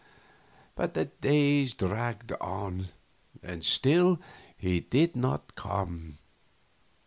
But the days dragged on, and still he did not come.